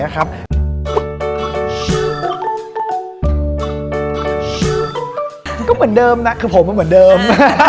มันก็เหมือนเดิมนะคือผมมันเหมือนเดิม